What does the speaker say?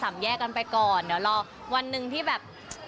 แยกกันไปก่อนเดี๋ยวรอวันหนึ่งที่แบบ